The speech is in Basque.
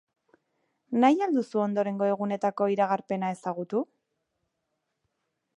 Nahi al duzu ondorengo egunetako iragarpena ezagutu?